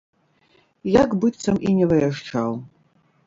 Як быццам і не выязджаў.